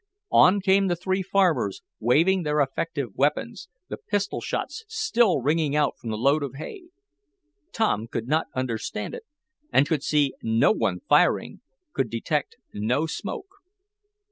On came the three farmers, waving their effective weapons, the pistol shots still ringing out from the load of hay. Tom could not understand it, and could see no one firing could detect no smoke.